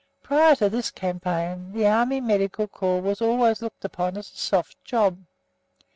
Prior to this campaign, the Army Medical Corps was always looked upon as a soft job.